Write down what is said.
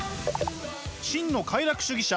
真の快楽主義者